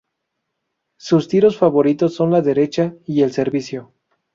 Sus tiros favoritos son la derecha y el servicio.